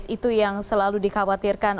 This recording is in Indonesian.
itu yang selalu dikhawatirkan